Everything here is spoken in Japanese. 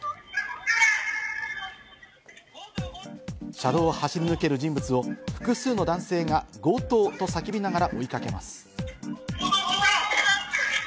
車道を走り抜ける人物を複数の男性が、強盗！と叫びながら追いかけます。